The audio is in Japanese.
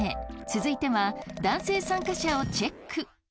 続いては男性参加者をチェック。